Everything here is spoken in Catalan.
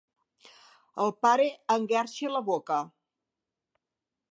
El pare enguerxí la boca.